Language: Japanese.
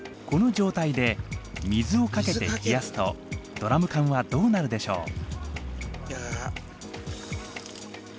この状態で水をかけて冷やすとドラム缶はどうなるでしょう？